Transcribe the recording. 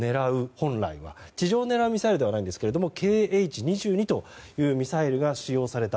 本来は、地上を狙うミサイルではないんですがＫｈ２２というミサイルが使用された。